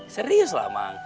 serius lah amang